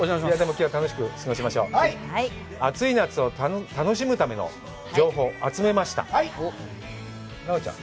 今日は楽しく過ごしましょうはい暑い夏を楽しむための情報集めました奈緒ちゃん